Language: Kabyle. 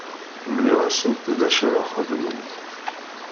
Mliɣ-asent d acu ara xedment.